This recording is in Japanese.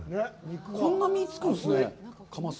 こんな身がつくんですね、カマス。